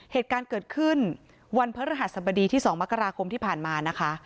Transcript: เหตุการณ์เกิดขึ้นวันพระรหัสบดีที่๒มกราคมที่ผ่านมานะคะ